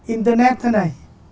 internet thế này